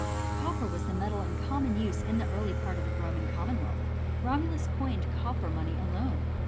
t Copper was the metal in common use in the early part of the Roman commonwealth. Romulus coined copper money alone.